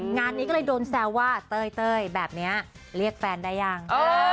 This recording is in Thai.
งานนี้ก็เลยโดนแซวว่าเต้ยแบบนี้เรียกแฟนได้ยัง